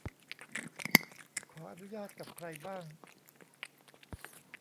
ขออนุญาตกับใครบ้าง